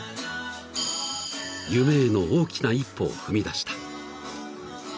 ［夢への大きな一歩を踏み出した］